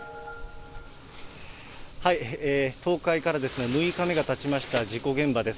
倒壊から６日目がたちました、事故現場です。